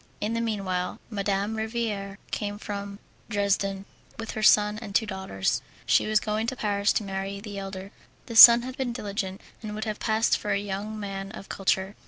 In the meanwhile Madame Riviere came from Dresden with her son and two daughters. She was going to Paris to marry the elder. The son had been diligent, and would have passed for a young man of culture.